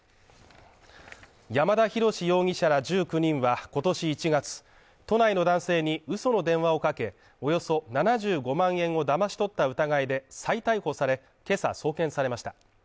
山田大志容疑者ら１９人は今年１月都内の男性にうその電話をかけ、およそ７５万円をだまし取った疑いで再逮捕され、けさ送検されました。